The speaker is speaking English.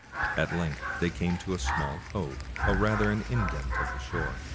At length they came to a small cove, or rather indent of the shore.